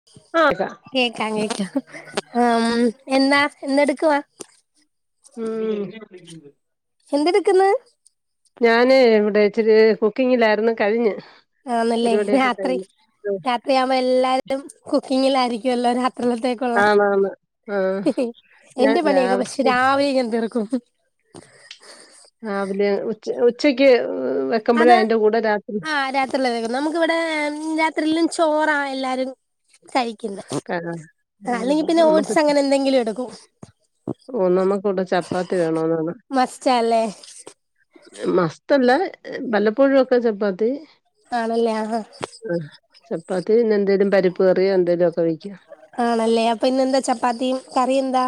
[unintelligible] [unintelligible] കേക്കാം കേക്കാം ഉം എന്നാ എന്തെടുക്കവാ ഉം എന്തെടുക്ക്ന്ന് ഞാന് ഇവിടെ ഇച്ചിരി കുക്കിങ്ങിലാരുന്നു കഴിഞ്ഞ് ആണല്ലേ പരിപാടിയൊക്കെ രാത്രി കഴിഞ്ഞ് രാ ത്രിയാമ്പ എല്ലാരും കുക്കിങ്ങിലാരിക്കുവല്ലോ രാത്രിൽത്തേക്ക് ക്കൊള്ളാം ആണാണ് ആ എന്റെ പണിയൊക്കെ പക്ഷെ രാവിലെ ഞാൻ തീർക്കും രാവിലെ ഉച്ച ഉച്ചക്ക് വെക്കുമ്പഴേ അതിന്റെ കൂടെ രാത്രി ത്ത്ള്ളെ നമുക്കിവിടെ ഉം രാത്രിലും ചോറാ എല്ലാരും കഴി ക്കുന്നെ കാണാ ഉം അല്ലെങ്കി പിന്നെ നമുക്ക് ഓട്സ് അങ്ങനെ എന്തെങ്കിലും എടുക്കും ഓ നമ്മുക്ക് ഇവിടെ ചപ്പാത്തി വേണോന്നാണ് മസ്റ്റാല്ലേ മസ്തല്ല വല്ലപ്പഴുവൊക്കെ ചപ്പാത്തി ആണല്ലേ ആഹാ ആഹ് ചപ്പാത്തി പിന്നെ എന്തെേലും പരിപ്പ് കറിയോ എന്തേലു ഒക്കെ വെയ്ക്കും ആണല്ലേ അപ്പൊ ഇന്നെന്താ ചപ്പാത്തിയും കറിയ എന്താ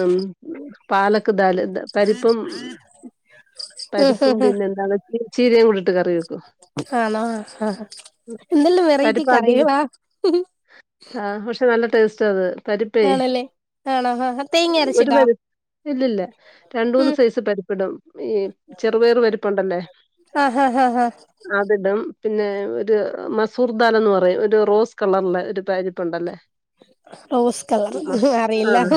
ഉം പാലക്ക് ദാല്ണ്ട് പരിപ്പും ഉം പരിപ്പും ഹും ഹും പിന്നെന്താണ് ചീരയും കൂടെയിട്ട് കറിവെക്കും ആണോ ആഹ് എന്തെല്ലാം വെറൈറ്റി പരിപ്പ് ആദ്യം കറികളാ ആഹ് പക്ഷെ നല്ല ടേസ്റ്റാ അത് പരിപ്പേ ആണല്ലേ ആണോ ആഹാ ഒരു പരി ഇല്ലില്ല രണ്ടൂന്ന് ഉം സൈസ് പരു ഇടും ഈ ചെറുപയർ പരിപ്പുണ്ടല്ലേ ആ ഹാ ഹാ ഹാ അതിടും പിന്നെ ഒരു മസൂർദാലന്ന് പറയും ഒരു റോസ് കളറിലെ ഒരു പാരിപ്പ് ഉണ്ടല്ലേ റോസ്കളറ് ഉംഹും ആ ആഹ്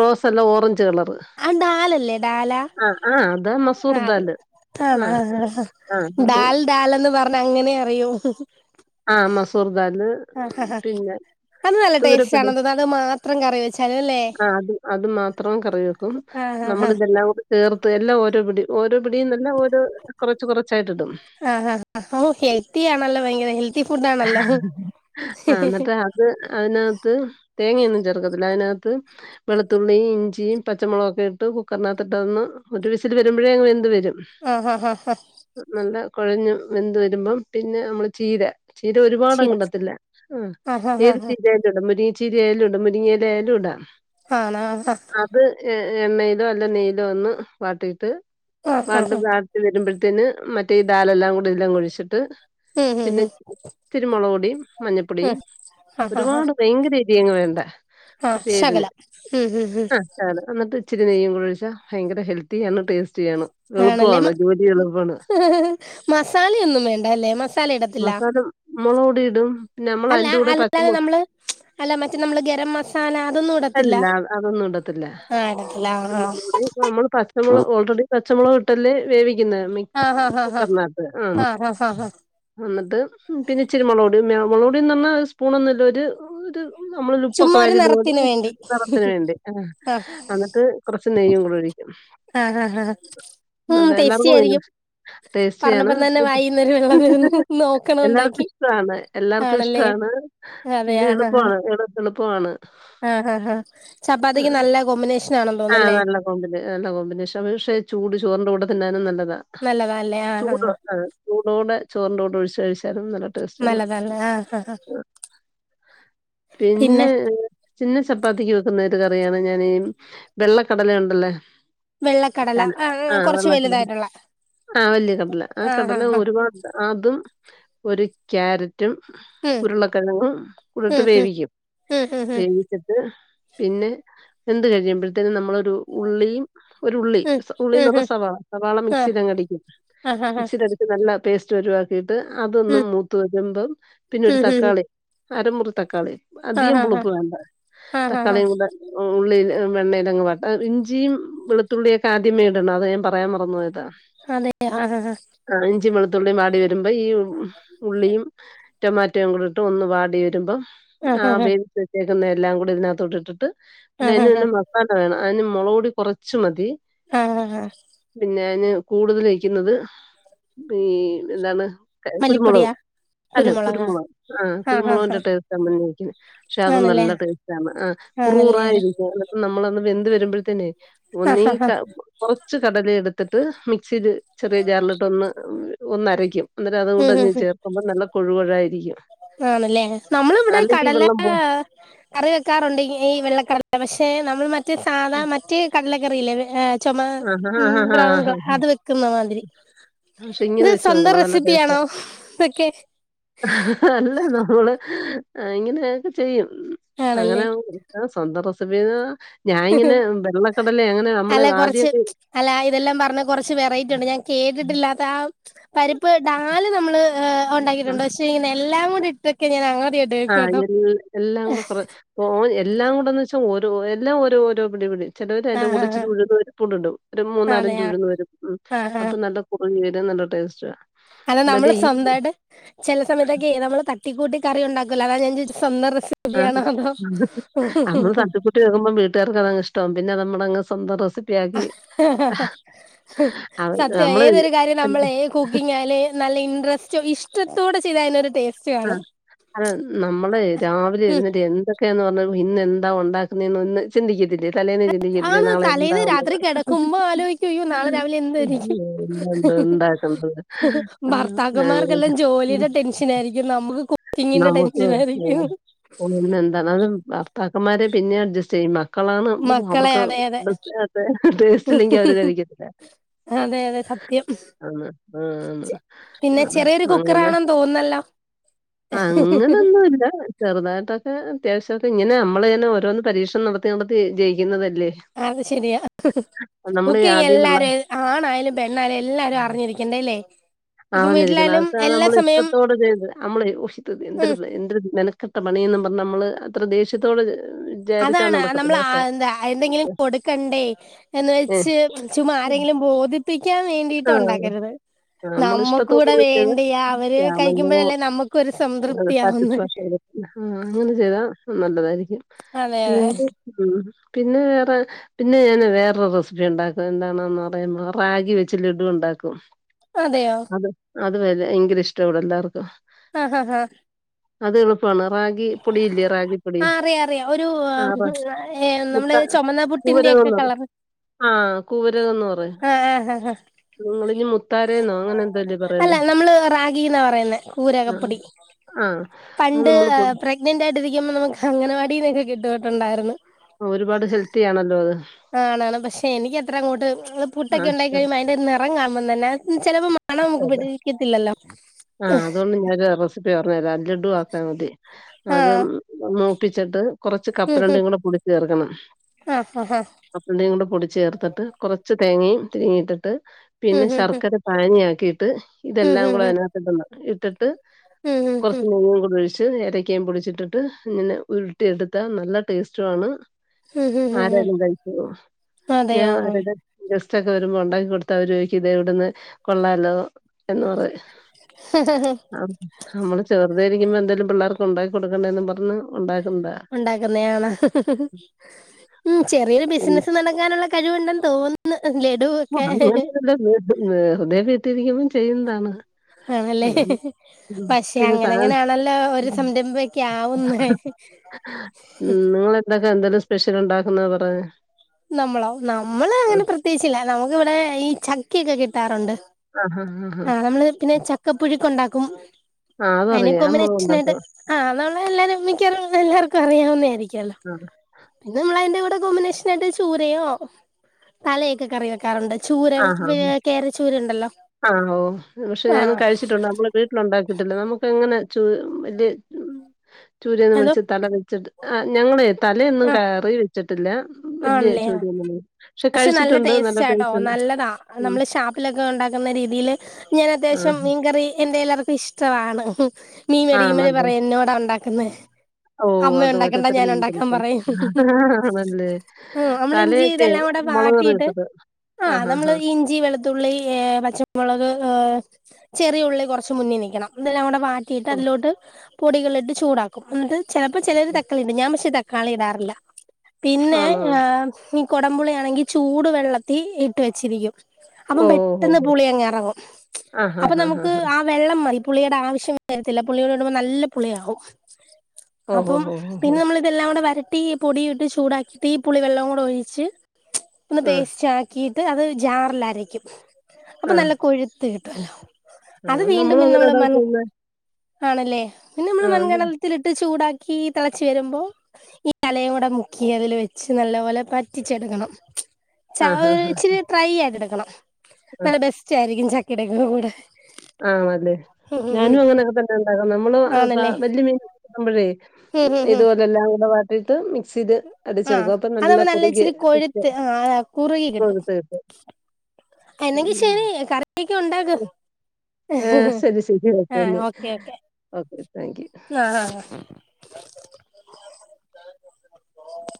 റോസ് അല്ല ഓറഞ്ച് കളറ് ആ ഡാലല്ലേ ഡാല ആഹ് ആഹ് അതാ മസൂർദാല് ആത് ആണോ ആഹ് ആഹ് അത് ഡാൽ ഡാൽന്ന് പറ അങ്ങനെ അറിയോ ആഹ് മസൂർദാല് ഹാ പിന്നെ അത് നല്ല ടേസ്റ്റ് തൊരുപിടി ആണോ തോന്നുന്നു അത് മാത്രം കറി വെച്ചാലും അല്ലേ ആഹ് അത് അത് മാത്രം കറി വെക്കും ആ ഹാ ഹാ നമ്മളിതെല്ലാം കൂടി ചേർത്ത് എല്ലാം ഓരോ പിടി ഓരോ പിടിന്നെല്ല ഓരോ കുറച്ച് കുറച്ചായിട്ട് ഇടും ആഹ് ആ അപ്പം ഹെൽത്തി ആണല്ലോ ഭയങ്കര ഹെൽത്തി ഫുഡ് ആണല്ലോ ആഹ് എന്നിട്ട് അത് അതിനകത്ത് തേങ്ങയൊന്നും ചേർക്കത്തില്ല അതിനകത്ത് വെളുത്തുള്ളിയും ഇഞ്ചിയും പച്ചമുളകൊക്കെ ഇട്ട് കുക്കറിനകത്തിട്ട് അതൊന്ന്‌ ഒരു വിസിൽ വരുമ്പോഴേ അങ്ങ് വെന്ത് വരും ആഹ് ആഹ് ആഹ് ഹാ നല്ല കുഴഞ്ഞു വെന്ത് വരുമ്പം പിന്നെ നമ്മള് ചീര ചീര ഒരുപാട് ശരി അങ്ടത്തില്ല അ ആ ഹാ ഹാ ഏത് ഹാ ചീരെ- ഇടും മുരിങ്ങച്ചീരിയായാലും ഇടും മുരിങ്ങിയിലായാലും ഇടാ. ആണാ ഫസ് അത് എ എണ്ണയിലോ അല്ല നെയ്യിലോ ഒന്ന് വാട്ടിട്ട് ആ വാ- ഹാ ഹാ വെന്ത് വെരുമ്പഴ്ത്തേന് മറ്റേ ഈ ദാലെല്ലാം കൂടി ഇതിലങ്ങ് ഒഴിച്ചിട്ട്. ഉം ഹു ഹു ഇത്തിരിമൊളക് പൊടീം മഞ്ഞപ്പൊടിയും ഒരുപാട് ഭയങ്കര എരിയങ്ങ് വേണ്ട. അ ശകലം ഹ് ഹ് ഹ് ഏറക്കുന്നട്ട് ഇച്ചിരി നെയ്യും കൂടി ഒഴിച്ചാ ഭയങ്ക ഹെൽത്തിയാണ് ടേസ്റ്റ്- യാണ് ആണല്ലേ എളുപ്പവാണ് മ ജോലി എളുപ്പാണ്. മസാലയൊന്നും വേണ്ട അല്ലേ മസ- സാല ഇടത്തില്ല മസാല മുളക്പൊടി ഇടും പിന്നെ നമ്മൾ അല്ല അയിന്റെ കൂടെ അല്ലാതെ പച്ചമു നമ്മള് അല്ല മറ്റേ നമ്മള് ഗരം മസാല അതൊന്നും ഇടത്തില്ല അല്ലല്ല അത് അതൊന്നും ആ ഇടത്തില്ല ആ ആ ന്നമ്മള് പച്ചമുളക് ഓൾറെടി പച്ചമുളക്ട്ടെല്ലെ വേവിക്ക്‌ന്നത് മിക്- ആഹ് ആഹ് ആഹ് ആഹ് കുക്കർനാത്ത് ആഹ ആഹ് ആഹ് ആഹ് ആഹ് എന്ന്ട്ട് പിനെ ഇച്ചിരി മൊളക്പൊടീം മ്യാ മൊളക്പൊടിന്നർഞ്ഞാ ഒര്സ്പൂണൊന്ന് ല്ലൊര് ഒര്- നമ്മളിയിലുപ്പൊക്കെ ചുമ്മാ ഒരു വാരി ഇടുപോലെ നിറത്തിന് വേണ്ടി നെറത്തിന് വേണ്ടി ആ ആഹ് അന്നട്ട് കൊറച്ച് നെയ്യും കൂടി ഒഴിക്കും. അ ഹാ ഹഹ അതെല്ലാർ പോയിനു ടേസ്റ്റിയാണ് പറഞ്ഞപ്പം തന്നെ ഹ് ഹ് വായീന്നൊരു വെള്ളം ഹ് വരുന്നു ഹ് നോക്കണം എല്ലാവർക്കും ഉണ്ടാക്കി ഇഷ്ട്ടാണ് എല്ലാർക്കും ആണല്ലേ ഇഷ്ട്ടാണ് അതെ പിനെ എളുപ്പവാണ് എളു എളുപ്പമാണ്. ആഹ ഹാ ഹാ ചപ്പാത്തിക്ക് നല്ല കോമ്പിനേഷൻ ആണെന്ന് ആഹ് തോന്നുന്നല്ലേ നല്ല കോമ്പിന് നല്ല കോമ്പിനേഷ പക്ഷേ ചൂട് ചോറിന്റെ കൂടെ തിന്നാനും നല്ലതാ. ഹ നല്ലതാല്ലേ ആഹ് ചൂട് ആഹ് ഉണ്ട് ചൂടോടെ ചോറിന്റെ കൂടെ ഒഴിച്ച് കഴിച്ചാലും നല്ല്താ. ട്ടേസ്റ്റാണ് നല്ലതാല്ലേ ആഹ് ആഹ് അ പിന്നെ പിനെ ട്ട് പിനെ ചപ്പാത്തിക്ക് വെക്കുന്ന ഒരു കറിയാണ് ഞാന് വെള്ളക്കടല ഉണ്ടല്ലൊ. വെള്ളക്കടല പട്ടാണ് ആ കൊറച്ച് വെള്ളക്കടല വലുതായിട്ടുള്ള ആ വലിയ കടല ആ കടല ഒരുപാ- അതും ഒരു ക്യാരറ്റ്- റ്റും ഉം ഉരുളക്കെഴങും കൂടെട്ട് ഉം ഉം വേവിക്കും ഉം ഉം പിൻ- എന്ന്ട്ട് പിനെ വെന്ത് കഴിയുമ്പഴ്‌ത്തേനും നമ്മളൊരു ഉള്ളിയും. ഒരു ഉള്ളി ഉം ഉം ഉള്ളിന്ന് ഉം പറഞ്ഞ ഉം സവാള, സവാള ആ മിക്സിലങ്ങടിക്കും ആ ആ ആ മിക്സിലത് ഇത് നല്ല പേസ്റ്റ് പരുവാക്കിട്ട് അതൊന്നു ഉം മൂത്ത് വരുമ്പം പിനെ ഒരു ഉം ഉം ഉം തക്കാളി. അരമുറി തക്കാളി ആ അധികം ആ പുളുപ്പ് വേണ്ട ആ ആ ആ ആ തക്കാളിയും കുടെ ഉ ഉള്ളിലും വെണ്ണേൽ ഇതങ്ങ് വാട്ട ഇഞ്ചിയും വെളുത്തുള്ളിയൊക്കെ ആദ്യമേ ഇടണം അത് ഞാൻ പറയാൻ മറന്നുപോയതാ. അതെ ആ ഹ ഹ ആ ഇഞ്ചി വെളുത്തുള്ളിയും വാടി വരുമ്പോ ഈ ഉ ഉള്ളിയും ടൊമാറ്റോയും കൂടെ ഇട്ട് ഒന്ന് വാടി വരുമ്പം ആ വേവിച് വെ- ചേകുന്ന എല്ലാം കൂടെ ഇതിനകത്തോട്ട് ഇട്ട്ട്ട് ആ പിനെ അയ്നൊന്നും ആ വക് - ബാക്കവേണ അയ്ന് മൊളക് പൊടി കൊറച്ച് മതി. ആ ഹ ഹാ പിനെ ഞാന് കൂടുതല് വെക്കുന്നത് ഈ എന്താണ്. കെ കുരുമുളകും മല്ലിപ്പൊടിയാ അല്ല കുരുമുളകാ കുരുമുളക് ആ ആ ആ കുരുമുളകിന്റെ ട്ടേസ്റ്റാ മുനിനിക്കുന്നെ. പക്ഷെ അത് ആണല്ലേ നല്ല ട്ടേസ്റ്റാണ് ആ ആണല്ലേ കുറുകുറായിരിക്ക നമ്മളൊന്ന് വെന്ത് വെരുമ്പഴ്‌ത്തേനെ ആ ഒന്നീ ആ ആ ക കൊറച്ച് കടല എടുത്തിട്ട് മിക്സിൽ ചെറിയ ജാറലിട്ട് ഒന്ന് ഒന്നരയ്ക്കും എന്നിട്ട് ഉം ഉം അതുകുടങ്ങ് ചേർക്കുമ്പോ നല്ല കൊഴുകുഴായിരിക്കും. ആണ്ല്ലേ നമ്മളിവിടെ കടല പോ കറി വെക്കാറുണ്ട് ഈ വെള്ളക്കടല പക്ഷെ നമ്മൾ മറ്റെ സാധാ മറ്റ് കടലക്കറിയില്ലേ ചൊമാ ആഹാ, ഉം ആഹാ, ബ്രോൺ ആഹാ. ക അത് വെക്കുന്ന മാതിരി പക്ഷെ ഇങ്ങനെ ഇത് വെച്ച് സ്വന്തം നോക്കണം നല്ല ടേസ്റ്റാ. റെസിപ്പിയാണോ ഇതൊക്കെ അല്ല നമ്മള് ഇങ്ങനെയൊക്കെ ചെയ്യും അങ്ങനെ ആണല്ലേ ആഹ് സ്വന്തം റെസിപ്പി ഞാാനിങ്ങനെ വെള്ളക്കടലെ അങ്ങനെ നമ്മള് അല്ല ആദ്യം കുറച്ച് അല്ല ഇതെല്ലാം പറഞ്ഞ കൊറച്ച് വെറൈറ്റി ഉണ്ട് ഞാൻ കേട്ടിട്ടില്ലാത്ത ആഹ് പരിപ്പ് ഡാല് നമ്മൾ് ഉണ്ടാക്കിയിട്ടുണ്ട് പക്ഷേ ഇങ്ങനെ എല്ലാം കൂടി ഇട്ടൊക്കെ ഞാൻ ആദ്യയിട്ടാ ആഹ് എ എല്ലാം കൂടെ കുറ ഓ എല്ലാം കൂടെന്ന് വെച്ചാ ഓരോ എല്ലാം ഓരോ ഓരോ പിടിപടി ചെലവര് ആ അതിന്റെ ആ കൂടെ ഇച്ചിരി ഉഴുന്ന് പരിപ്പുംകൂടെ ഇടും ഒരു ആ അതെ മൂന്നാലഞ്ച് ആ ഉഴുന്ന് വരും ഉം ആ ആ അപ്പം നല്ല [unintelligible] ടേ സ്റ്റാ അല്ല നമ്മൾ സ്വന്തയിട്ട് ചെല സമയത്തൊക്കെ നമ്മള് തട്ടിക്കൂട്ടി കറി ഉണ്ടാക്കല്ലോ അതാ ഞാൻ ചോദിച്ച സ്വന്ത റെ റെസിപ്പി ആഹ് യാണോന്ന് ട്ട് വെുകുമ്പോ വീട്ടുകാർക്ക് അത് ഇഷ്ടം ആവും പിന്നെ നമ്മൾ അത് സ്വന്തം റെസി അവ സത്യം നമ്മള് ഏതൊരു കാര്യം നമ്മള കുക്കിംഗ് ആയാൽ ഏത് നല്ല ഇൻട്രസ്റ്റോ ഇഷ്ടത്തോടെ ചെയ്ത അതിനൊരു ടേസ്റ്റ് ആ കാണും ഹ് അല്ല നമ്മള് രാവിലെ ഉം എഴുന്നേറ്റു എന്ത ക്കെ പറഞ്ഞാ ഇന്നെന്താ ഉണ്ടാക്കുന്നന്ന് ഒന്ന് ചിന്തിക്കത്തില്ലേ തലേന്ന് ചിന്തിക്കത്തില്ല ആണ് നാളെ എന്താ തലേന്ന് ഇ രാത്രി കിടക്കുമ്പോ ആലോചിക്കും അയ്യോ നാളെ രാവിലെ എന്തായിരിക്കും ണ്ടാക്ക അ [unintelligible] ക്ക യിരിക്കും നമുക്ക് കുക്കിങ്ങിന്റെ ടെൻഷൻായിരിക്കും ആഹ് എന്താണ് അത് ഭർത്താക്കന്മാരെ പിന്നെ അഡ്ജസ്റ്റ് ചെയ്യം മ മക്കളാണ് മക്കളെ അവർക്ക് അതെ അതെ ടേസ്റ്റ് ഇല്ലെങ്കി അവര് കഴിക്കത്തില്ല അതെ അതെ സത്യം ആഹ് ആഹ് ആഹ് ആഹ് അങ്ങനെ തോന്നല്ല അങ്ങനൊന്നും ഇല്ല ചെറുതായിട്ടൊക്കെ അത്യാവശ്യൊക്കെ ഇങ്ങനെ നമ്മള് തന്നെ ഓരോന്ന് പരീക്ഷണം നടത്തി കൊണ്ട് ജയിക്കുന്നതല്ലേ അത് ശരിയ നമ്മൾ കുക്കിംഗ ആദ്യം എല്ലാരെ ആണായാലും പെണ്ണായാലും എല്ലാരും അറിഞ്ഞിരിക്കേണ്ടേ അല്ലേ ഇപ്പം അറിഞ്ഞിരിക്കണം വീട്ടിലായാലും അക്ക എല്ലാ നമ്മള് സമയം ഇഷ്ടത്തോടെ ചെയ്തത് നമ്മള് ഊഷ് യെന്തർ ഉം ഇതു യെന്തോരു ഇതു കട്ട പണിയും പറഞ്ഞ നമ്മള് അത്ര ദേഷ്യത്തോടെ വിചാരിച്ചാ അതാണ് നമ്മൾ നടക്കത്തില്ല കേട്ടോ. എന്താ എന്തെങ്കിലും കൊടുക്കണ്ടേ എന്ന് ഏഹ്. വെച്ച് ചുമ്മ ആരെങ്കിലും ബോധിപ്പിക്കാൻ വേണ്ടിട്ട് ആ ഉണ്ടാക്കരുത് നമ്മള് നമ്മക്കു ടെ ഇഷ്ടത്തോടുകൂടി ചെയ്താ വേണ്ടിയ അവര് ചെയ്യാമല്ലോ കഴിക്കുമ്പോഴല്ലേ നമ്മുക്കും ഒരു സംതൃപ്തിയാവുന്നെ ആഹങ അങ്ങനെ ചെയ്താ നല്ലതായിരിക്കും അതെ അതെ പിന്നെ ഉം പിന്നെ വേറെ പിന്നെ ഞാന് വേറൊരു റെസിപ്പി ഉണ്ടാക്കും എന്താണന്ന് പറയുമ്പോ റാഗി വെച്ച് ലഡു ഉണ്ടാക്കും അതെയോ അത് അത് വല ഭയങ്കര ഇഷ്ട ഇവിടെ എല്ലാർക്കും ആഹ് അഹ് ആഹ് അത് എളുപ്പമാണ് രാഗ്ഗി പൊടിയില്ലേ റാഗി ആഹ് അറിയ അറിയാം ഒരു നമ്മള് മുത്താ ചൊമന്ന പുട്ടിന്റെയൊക്കെ കളർ ആഹ് കൂവരകന്ന് പറയും ആഹ് ആഹ് ആഹ് നിങ്ങള്ഞ്ഞ് അല്ല നമ്മള് റാഗിന്നാ പറയുന്ന ആഹ് കൂരകപ്പൊടി ആഹ് അത് പണ്ട് നമ്മള പ്രഗ്നന്റ് ആയിട്ടിരിക്കുമ്പം നമുക്ക് അങ്ങനവാടീന്നൊക്കെ കിട്ടിയിട്ടുണ്ടായിരുന്നു അഹ് ഒരുപാട് ഹെൽത്തി ആണല്ലോ അഹ് ആണാണ് പക്ഷെ എനിക്ക് അത്ര അങ്ങോട്ട് ആഹ് പുട്ടൊക്കെ ഇഷ്ട ഇണ്ടാക്കി കഴിയുമ്പോ അതിന്റെ നിറം കാണുമ്പം തന്നെ ചേലെപ്പം മ മണം നമുക്ക് ഇഷ്ടല്ലേ പിടിക്കത്തില്ലല്ലോ ആഹ് അതുകൊണ്ട് ഞാനൊരു റെസിപ്പി പറഞ്ഞ് തെരാ ലഡു ആക്ക്യാ മതി അതും ആഹ് അഹ് മൂപ്പിച്ചിട്ട് കൊറച്ച് ഉം കപ്പലണ്ടി ഉം കൂടെ പൊടിച്ച് ചേർക്കണം ആഹ് ഹ ഹ അ അണ്ടിയും കൂടെ പൊടിച്ച് ചേർത്തിട്ട് കുറച്ച് തേങ്ങയും തിരിമ്മി ഇട്ട്ട്ട് ഉം പിന്നെ ഉം ശർക്കര പാനി ആക്കിയിട്ട് ഉം ഇതെല്ലാം ഉം കൂടെ ഉം അയ്നകത്ത് ഇടണം ഇട്ട്ട്ട് ഉം ഉം ഉം ഉം കൊറച്ച് നെയ്യും കൂടെ ഒഴി ച്ച് ഏലക്കയും പൊടിച്ചിട്ട്ട്ട് ഇങ്ങനെ ഉരുട്ടി എടുത്താ നല്ല ടേസ്റ്റുവാണ് ഉം ഉം ഉം ഉം ആരായാലും കഴിച്ചു പോകും ഞാൻ അതെയോ മറ്റേ ഗെ ഗെസ്റ്റ് ഒക്കെ വരുമ്പോ ഒണ്ടാക്കി കൊടുത്ത അവര് ചോയ്ക്കും ഇത് എവ്ട്ന്ന് കൊള്ളാലോ എന്ന് പറയും അട് [unintelligible] അമ്മള് ചെറുതായിരിക്കുമ്പോ എന്തേലും പിള്ളാർക്ക് ഉണ്ടാക്കി കൊടുക്കണ്ടേന്നും പർഞ്ഞ് ഉണ്ടാക്കുന്നതാ ഉണ്ടാക്കുന്നയാണ് ഉം ചെറിയൊരു ബിസിനസ് നടക്കാനുള്ള കഴിവുണ്ടെന്ന് തോന്നു ന്ന് ലഡു ഒക്കെ ത് വെറുതെ വീട്ടില് ഇരിക്കുമ്പം ചെയ്യുന്നതാണ് ആന്നല്ലേ അതാണ് ഉം പക്ഷെ പിന്നെ അങ്ങനെ താ അങ്ങനെയാണല്ലോ ഒരു സംരംഭം ഒക്കെ ആവുന്ന് ഉം നിങ്ങെന്തൊക്കെ എന്തേലും സ്പെഷ്യൽ ഉണ്ടാക്കുന്നത് പറഞ്ഞേ നമ്മളോ നമ്മള് അങ്ങനെ പ്രത്യേകിച്ചില്ല ഞങ്ങക്ക് ഇവിടെ ഈ ചക്കയൊക്കെ കിട്ടാറൊണ്ട് ആഹ് ഹാ ഹ് ഹ് പിന്നെ ചക്കപ്പുഴുക്ക്‌ ഉണ്ടാക്കും ആഹ് അയ്ന് അതറിയാം നമ്മള് കൊമ്പിനേഷ്നായിട്ട് ഉണ്ടാക്കും ആഹ് അത് ഉള്ളെ എല്ലാരും മിക്കവാറും എല്ലാർക്കും അറിയാവുന്നെ ആയിരിക്കും അല്ലോ ആണ് പിന്നെ നമ്മൾ അയ്ന്റെ കൂടെ കോമ്പിനേഷനായിട്ട് ചൂരയോ തലയൊക്കെ കറിവെ ക്കാറുണ്ട് ചൂര ആഹ് ആഹ് വേ കേര ചൂര ഇണ്ടല്ലോ ആഹ് വീട്ട്ല് ഉണ്ടാക്കിയിട്ടില്ല നമുക്ക് അങ്ങനെ ചൂ വല്യെ ചൂരയൊന്ന് അതോ മേടിച്ച് തല വെച്ച്ട്ട് ആഹ് ഞങ്ങളെയ് തലയൊന്നും ആ കറി വെച്ച്ട്ട്ല്ല വല്ല്യെ ആണല്ലേ ആ ചൊടിഉള്ള മീൻ ക്ഷെ പക്ഷെ കഴിച്ചിട്ടുണ്ട് നല്ല ടേസ്റ്റാട്ടോ ടേസ്റ്റ് ഉണ്ട് ആഹ് നല്ലതാ നമ്മള് ഷാപ്പിലൊക്കെ ഉണ്ടാക്കുന്ന രീതിയില് ഞാൻ അത്യാവശ്യം മീൻകറി എന്റെ എല്ലാവർക്കും ഇഷ് ടവാണ് മീൻ ആ വേടിക്കുംമ്പയെ ആണല്ലേ പറയും എന്നോടാ ഉണ്ടാക്കെന്ന് ഓ അമ്മയുണ്ടാക്കണ്ട ഞാനു ഉണ്ടാക്കാം പറയും അഹ് ഹാ അതെന്ന് പറഞ്ഞെ ഓഹ് നമ്മള് ഇഞ്ചി ഇതെല്ലാം കൂടെ മുളക് കറി വാട്ടിയിട്ട് വെച്ചത് ആ ആഹ് ഹാ നമ്മള് ഹാ ഇഞ്ച് ഞ്ചി, വെളുത്തുള്ളി, പച്ചമുളക്, എഹ് ചെറിയഉള്ളി കൊറച്ച് മുന്നിനിക്കണം ഇതെല്ലാം കൂടെ വാ ട്ടിയിട്ട് അതിലോട്ട് പൊടികള്ട്ട് ചൂടാകും എന്ന്ട്ട് ചെലപ്പോ ചെലോര് ഓക്കെ തക്കളിടും ഞാ പക്ഷെ ത ക്കാളി ഇടാറില്ല പിന്നെ ആണോ ഏഹ് ഇഞ്ഞി കൊടംമ്പുളി ആയാണെങ്കി ചൂട് വെള്ളത്തി ഇട്ട് വെച്ചിരിക്കും അപ്പം ഓ ഹോ പെട്ടന്ന് ഹോ പുളി അങ്ങ് എറങ്ങും ആ ഹാ അപ്പൊ ഹാ ഹാ നമുക്ക് ഹാ ആ വെള്ളംമതി പുളിയ്ടെ ആവശ്യം വരത്തില്ല പുളിയും കൂടെ ഇടുമ്പം നല്ല പുളിയാവും ഓ ഹോ അപ്പം ഹോ ഹോ ഹോ പിന്നെ ഞമ്മ്ള് ഇതെല്ലാം കുടെ വരട്ടി പൊടിയും ഇട്ട് ചൂടാക്കിട്ട് ഈ പുളി വെള്ളംകൂടെ ഒഴിച്ച് ഒന്ന് പേസ്റ്റ് ആ ക്കിയിട്ട് അത് ജാറ്ല് അരക്കും അപ്പൊ ആ നല്ല കൊഴുത്ത് കിട്ടുവല്ലോ ആ അത് വീണ്ടും നമ്മളും അങ്ങനെ ഉണ്ടാക്കുന്നത് [unintelligible] ആണല്ലേ പിന്നെ നമ്മള് ആ മൺകലൽ ത്തിലിട്ട് ചൂടാക്കി തിളച്ചരുമ്പോ ഈ ത ലങ്കുട ക്കി അതില് വെച്ച് നല്ലപോലെ പറ്റിച്ചെടുക്കണം ആ ചൗ ഹാ ഹാ ഇച്ചരി ട്രൈയായിട്ടെടുക്കണം നല്ല ബെസ്റ്റായിരിക്കും ചക്കടെക്ക കൂടെ ആണല്ലെ ഉം ഉം ഞാനും ഉം അങ്ങനെയൊക്കെ തന്നെ ഇണ്ടാകുന്നോ നമ്മള് ആണല്ലേ വല്യ മീനാക്കുമ്പോഴേ ഉം ഉം ഉം ഇതുപോലെല്ലാം കൂടെ വാട്ടിട്ട് മിക്സില് അഹ് അതമ്പം നല്ല ഇച്ചിരി കൊഴുത്ത് അഹ് കുറുകി കിട്ടും എന്നെങ്കി ശെരി ഉം കറിയൊക്കെ ണ്ടാക്ക്‌ ഏഹ് ശരി ശരി ഓക്കെ ആഹ് എന്നാ ഓക്കെയോ ക്കെ ഓക്കെ താങ്ക്.. യു. അഹ് ആഹ്